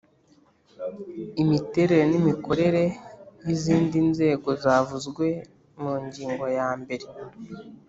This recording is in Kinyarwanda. imiterere n imikorere y izindi nzego zavuzwe mu ngingo ya mbere